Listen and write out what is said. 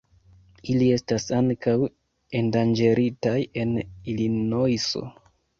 Ili estas ankaŭ endanĝeritaj en Ilinojso.